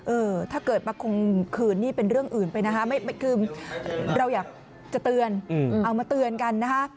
ถ้าเกิดมาคมคืนนี่เป็นเรื่องอื่นไปนะคะคือเราอยากจะเตือนเอามาเตือนกันนะคะ